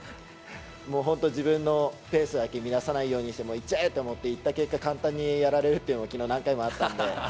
本当、自分のペースだけ乱さないようにして、いっちゃえと思って、いった結果、簡単にやられるっていうの、きのう何回もあったんで。